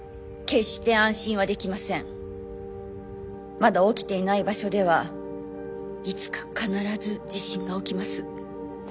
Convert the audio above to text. まだ起きていない場所ではいつか必ず地震が起きます。